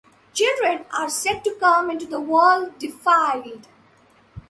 Children are said to come into the world defiled.